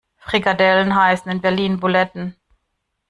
Frikadellen heißen in Berlin Buletten.